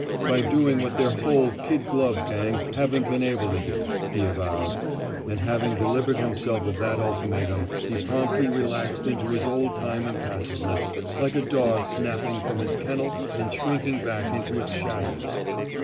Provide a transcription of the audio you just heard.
"By doing what their whole kid glove gang haven't been able to do," he avowed. And having delivered himself of that ultimatum, he promptly relaxed into his old time impassiveness, like a dog snapping from his kennel and shrinking back into its shadows.